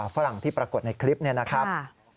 ฝรั่งที่ปรากฏในคลิปนี้นะครับ